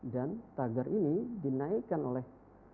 dan tagar ini dinaikkan oleh